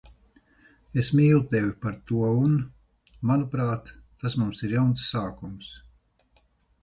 Es mīlu tevi par to un, manuprāt, tas mums ir jauns sākums.